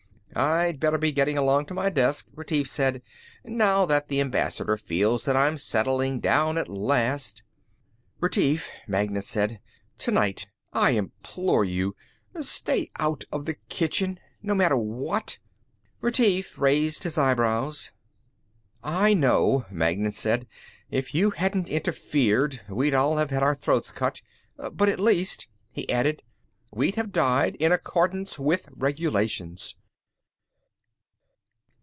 "I'd better be getting along to my desk," Retief said. "Now that the Ambassador feels that I'm settling down at last " "Retief," Magnan said, "tonight, I implore you. Stay out of the kitchen no matter what." Retief raised his eyebrows. "I know," Magnan said. "If you hadn't interfered, we'd all have had our throats cut. But at least," he added, "we'd have died in accordance with regulations!"